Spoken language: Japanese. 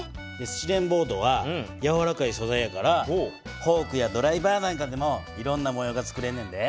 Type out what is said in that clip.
スチレンボードはやわらかい素材やからフォークやドライバーなんかでもいろんな模様がつくれんねんで。